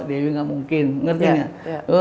dia enggak mungkin ngerti enggak